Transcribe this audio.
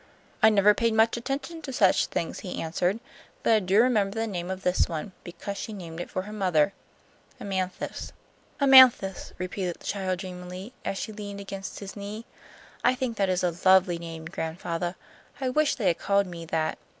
"I never paid much attention to such things," he answered, "but I do remember the name of this one, because she named it for her mother, Amanthis." "Amanthis," repeated the child, dreamily, as she leaned against his knee. "I think that is a lovely name, gran'fathah. I wish they had called me that."